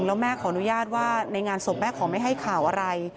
แล้วแม่ขออนุญาตว่าในงานศพแม่ขอไม่ให้ข่าวอะไร